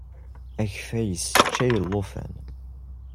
Akeffay yesseččay alufan.